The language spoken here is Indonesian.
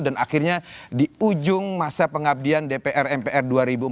dan akhirnya di ujung masa pengabdian dpr mpr dua ribu empat belas dua ribu sembilan belas